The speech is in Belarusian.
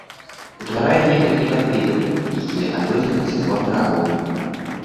Утварае некалькі падвідаў, якія адрозніваюцца формай рагоў.